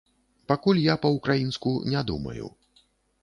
Пакуль я па-ўкраінску не думаю.